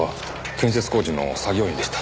建設工事の作業員でした。